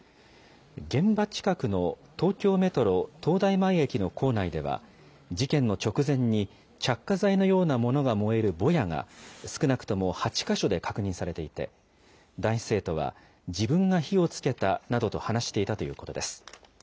現場近くの東京メトロ東大前駅の構内では、事件の直前に、着火剤のようなものが燃えるぼやが、少なくとも８か所で確認されていて、男子生徒は自分が火をつけたなどと話していたということです。